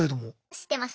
知ってます。